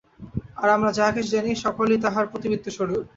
আর আমরা যাহা কিছু জানি, সকলই তাঁহার প্রতিবিম্ব-স্বরূপ।